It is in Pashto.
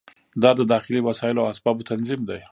دا د داخلي وسایلو او اسبابو تنظیم دی.